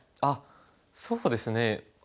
あっそうですね。